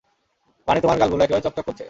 মানে, তোমার গালগুলো, একবারে চকচক করছে।